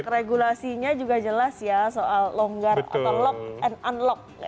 regulasinya juga jelas ya soal longgar unlock and unlock